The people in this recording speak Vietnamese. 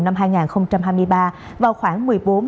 năm hai nghìn hai mươi ba vào khoảng một mươi bốn một mươi năm